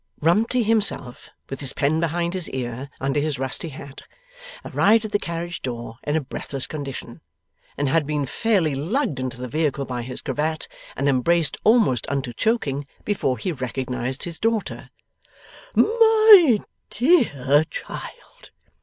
Rumty himself, with his pen behind his ear under his rusty hat, arrived at the carriage door in a breathless condition, and had been fairly lugged into the vehicle by his cravat and embraced almost unto choking, before he recognized his daughter. 'My dear child!